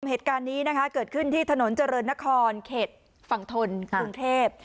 เหตุการณ์นี้นะคะเกิดขึ้นที่ถนนเจริญนครเขตฝั่งทนกรุงเทพ